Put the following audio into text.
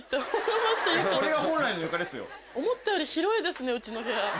思ったより広いですねうちの部屋。